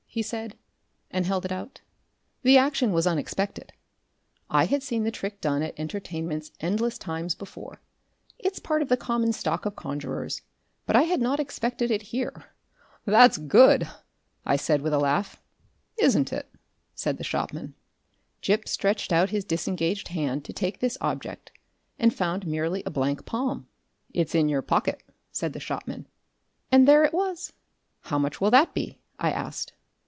he said, and held it out. The action was unexpected. I had seen the trick done at entertainments endless times before it's part of the common stock of conjurers but I had not expected it here. "That's good," I said, with a laugh. "Isn't it?" said the shopman. Gip stretched out his disengaged hand to take this object and found merely a blank palm. "It's in your pocket," said the shopman, and there it was! "How much will that be?" I asked.